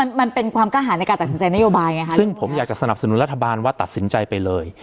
มันมันเป็นความกล้าหารในการตัดสินใจนโยบายไงคะซึ่งผมอยากจะสนับสนุนรัฐบาลว่าตัดสินใจไปเลย